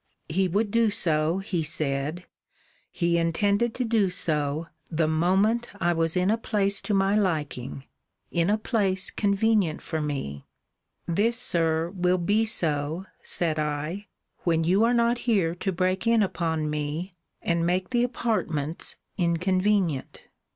He would do so, he said, he intended to do so, the moment I was in a place to my liking in a place convenient for me. This, Sir, will be so, said I, when you are not here to break in upon me, and make the apartments inconvenient.